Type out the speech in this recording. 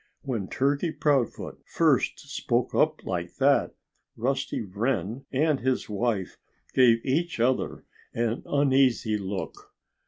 When Turkey Proudfoot first spoke up like that, Rusty Wren and his wife gave each other an uneasy look.